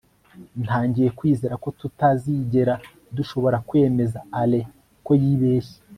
ntangiye kwizera ko tutazigera dushobora kwemeza alain ko yibeshye